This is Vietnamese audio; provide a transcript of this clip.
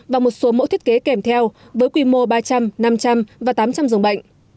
và một số mẫu thiết kế kèm theo với quy mô ba trăm linh năm trăm linh và tám trăm linh dòng bệnh